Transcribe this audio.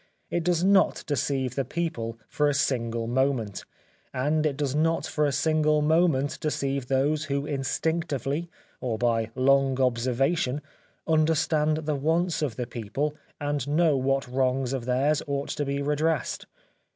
It does not deceive the people for a single moment, and it does not for a single moment deceive those who instinctively or by long observation understand the wants of the people and know what wrongs of theirs ought to be redressed.